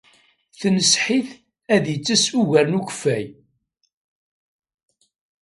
Tenṣeḥ-it ad ittess ugar n ukeffay.